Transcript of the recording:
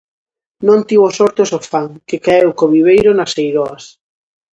Non tivo sorte o Sofán, que caeu co Viveiro nas Eiroas.